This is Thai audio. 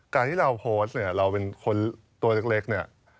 การที่เราโพสต์เนี่ยเราเป็นคนตัวเล็กเนี่ย